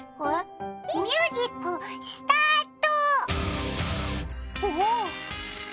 ミュージックスタート！